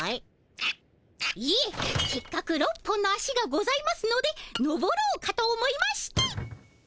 いえせっかく６本の足がございますので登ろうかと思いまして。